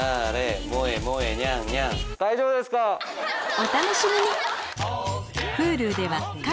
お楽しみに！